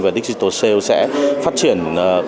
và digital sales sẽ phát triển